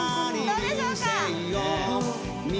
どうでしょう？